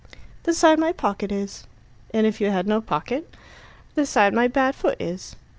"The side my pocket is." "And if you had no pocket?" "The side my bad foot is."